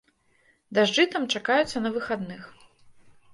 Дажджы там чакаюцца на выхадных.